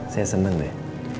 saya seneng deh